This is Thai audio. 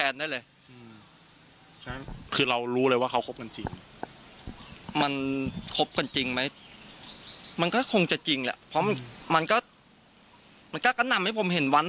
เนี่ยถ้าพี่เอาของผมไปออกนะคนอ่ะจะหายสงสัยเลย